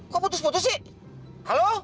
kok putus putus sih